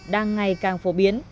đang ngày càng phổ biến